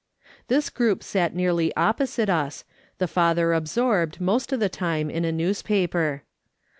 This group sat nearly opposite us, the father absorbed, most of the time, in a newspaper.